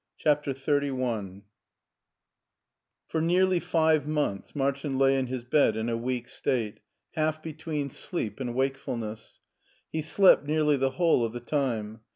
CHAPTER XXXI FOR nearly five months Martin lay in his bed in a weak state, half between sleep and wake fulness. He slept nearly the whole of the time.